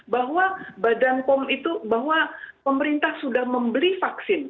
bahwa badan pom itu bahwa pemerintah sudah membeli vaksin